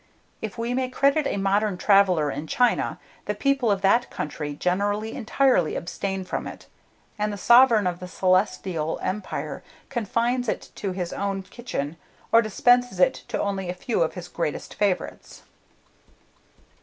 If we may credit a modern traveller in China, the people of that country generally entirely abstain from it, and the sovereign of the Celestial Empire confines it to his own kitchen, or dispenses it to only a few of his greatest favourites.